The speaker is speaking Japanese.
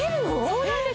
そうなんです！